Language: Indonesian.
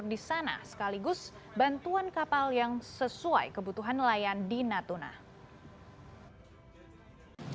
di sana sekaligus bantuan kapal yang sesuai kebutuhan nelayan di natuna